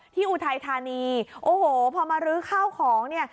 อุทัยธานีโอ้โหพอมารื้อข้าวของเนี่ย